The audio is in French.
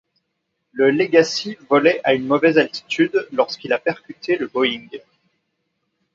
Le Legacy volait à une mauvaise altitude lorsqu’il a percuté le Boeing.